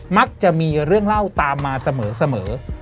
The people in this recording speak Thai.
มักจะมีเรื่องเล่าตามมาเสมอ